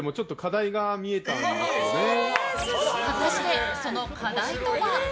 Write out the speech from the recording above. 果たして、その課題とは？